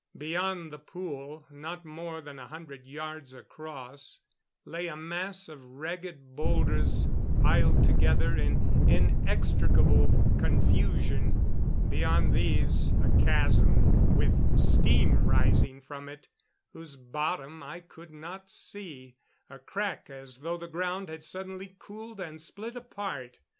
Beyond the pool, not more than a hundred yards across, lay a mass of ragged bowlders piled together in inextricable confusion; beyond these a chasm with steam rising from it, whose bottom I could not see a crack as though the ground had suddenly cooled and split apart.